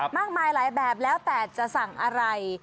มากมายหลายแบบแล้วแต่จะสั่งอะไร